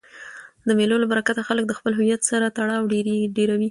د مېلو له برکته خلک د خپل هویت سره تړاو ډېروي.